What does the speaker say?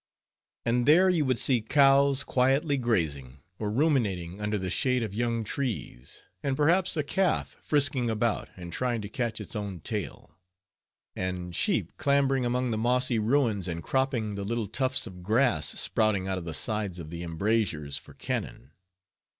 And there you would see cows quietly grazing, or ruminating under the shade of young trees, and perhaps a calf frisking about, and trying to catch its own tail; and sheep clambering among the mossy ruins, and cropping the little tufts of grass sprouting out of the sides of the embrasures for cannon.